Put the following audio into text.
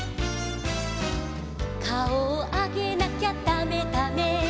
「かおをあげなきゃだめだめ」